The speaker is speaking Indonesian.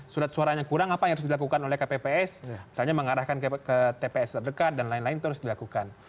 surat suaranya kurang apa yang harus dilakukan oleh kpps misalnya mengarahkan ke tps terdekat dan lain lain itu harus dilakukan